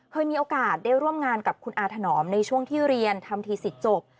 เคยมีโอกาสได้ร่วมงานกับคุณอาถนอมในช่วงที่เรียนทำทีสิทธิ์จบ